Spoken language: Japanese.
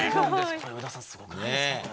これ上田さん、すごくないですか、これ。